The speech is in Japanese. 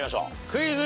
クイズ。